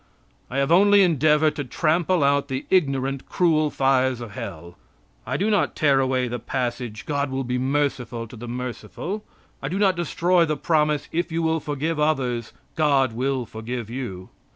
I have only endeavored to trample out the ignorant, cruel fires of hell. I do not tear away the passage, "God will be merciful to the merciful." I do not destroy the promise, "If you will forgive others, God will forgive you."